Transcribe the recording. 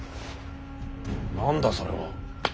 何だそれは。